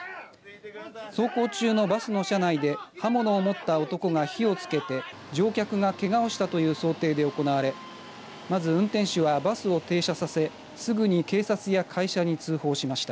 走行中のバスの車内で刃物を持った男が火をつけて乗客がけがをしたという想定で行われまず運転手はバスを停車させすぐに警察や会社に通報しました。